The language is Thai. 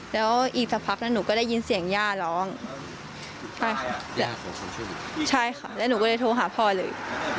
แล้วอีกสักพักแล้วหนูก็ได้ยินเสียงย่าร้องใช่ค่ะใช่ค่ะแล้วหนูก็เลยโทรหาพ่อเลย